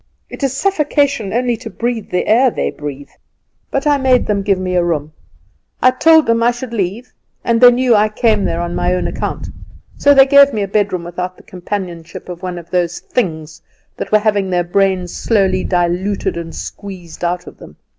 It is suffocation only to breathe the air they breathe; but I made them give me room. I told them I should leave, and they knew I came there on my own account; so they gave me a bedroom without the companionship of one of those things that were having their brains slowly diluted and squeezed out of them.